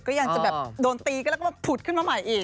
ก็ยังจะแบบโดนตีก็แล้วก็ผุดขึ้นมาใหม่อีก